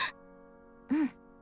うん。